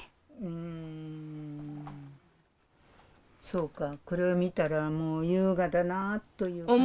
そうかこれを見たらもう優雅だなという感じ？